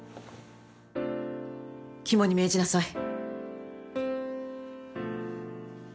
肝に銘じなさい。